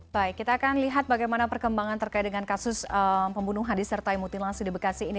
baik kita akan lihat bagaimana perkembangan terkait dengan kasus pembunuhan disertai mutilasi di bekasi ini